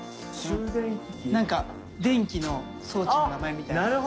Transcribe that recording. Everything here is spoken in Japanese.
なんか電気の装置の名前みたいな。